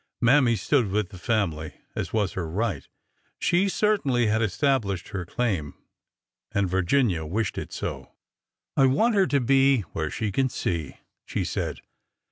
Mammy stood with the family, as was her right. She certainly had established her claim, and Vir ginia wished it so. HER WEDDING DAY 415 I want her to be where she can see," she said.